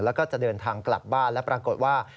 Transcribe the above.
แล้วก็จะเดินทางกลับบ้านแล้วปรากฏว่า